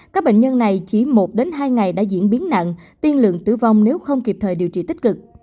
các bệnh nhân này chỉ một hai ngày đã diễn biến nặng tiên lượng tử vong nếu không kịp thời điều trị tích cực